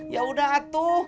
ya udah atu